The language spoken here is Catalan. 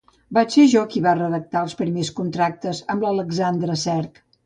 Vaig ser jo qui va redactar els primers contractes amb l'Alexandre Cerc.